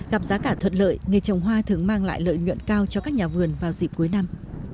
gặp giá cả thuật lợi nghề trồng hoa thường mang lại lợi nhuận cao cho các nhà vườn vào dịp cuối năm